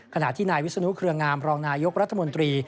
ขณะที่นายวิศนุเครืองามรองนายกรัฐมนตรี